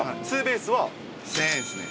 ツーベースは。